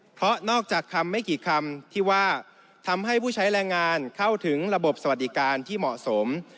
เพราะนอกจากคำไม่กี่คำที่ว่าทำให้ผู้ใช้แรงงานเข้าถึงระบบสวัสดิการที่เหมาะสม